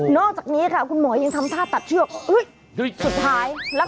อกจากนี้ค่ะคุณหมอยังทำท่าตัดเชือกสุดท้ายแล้ว